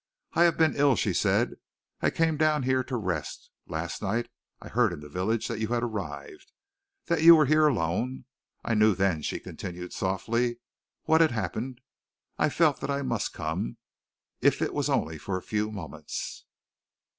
"I have been ill," she said. "I came down here to rest. Last night I heard in the village that you had arrived, that you were here alone. I knew then," she continued softly, "what had happened. I felt that I must come, if it was only for a few moments."